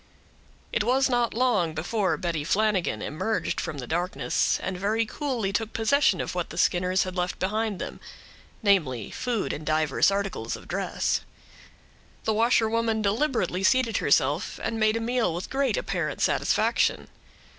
It was not long before Betty Flanagan emerged from the darkness, and very coolly took possession of what the Skinners had left behind them; namely, food and divers articles of dress. The washerwoman deliberately seated herself, and made a meal with great apparent satisfaction.